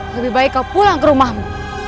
lebih baik kau pulang ke rumahmu